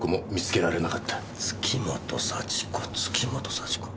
月本幸子月本幸子。